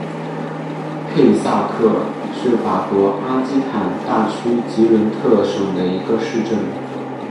佩萨克是法国阿基坦大区吉伦特省的一个市镇。